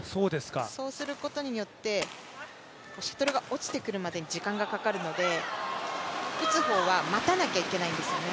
そうすることによって、シャトルが落ちてくるまでに時間がかかるので、打つ方は待たなきゃいけないんですね。